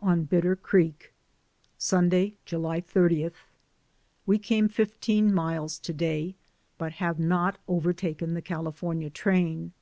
ON EMITTER CREEK. Sunday, July 30. We came fifteen miles to day, but have not overtaken the California train.